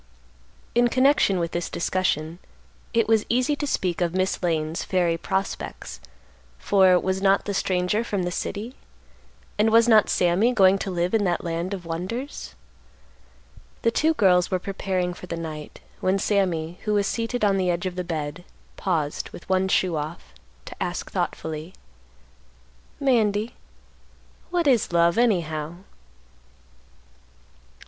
In connection with this discussion, it was easy to speak of Miss Lane's fairy prospects, for, was not the stranger from the city? and was not Sammy going to live in that land of wonders? The two girls were preparing for the night, when Sammy, who was seated on the edge of the bed, paused, with one shoe off, to ask thoughtfully, "Mandy, what is love, anyhow?"